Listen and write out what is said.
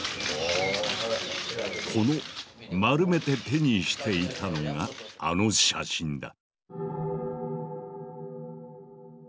この丸めて手にしていたのがあの写真だ。